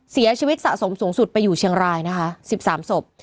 เสียชีวิตสะสมสูงสุดไปอยู่เชียงรายนะคะ๑๓ศพ